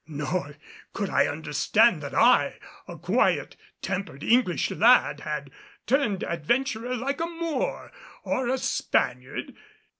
Nor could I understand that I, a quiet tempered English lad, had turned adventurer like a Moor or a Spaniard.